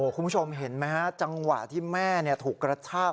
คุณผู้ชมเห็นไหมฮะจังหวะที่แม่ถูกกระชาก